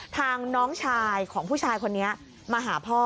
น้องชายของผู้ชายคนนี้มาหาพ่อ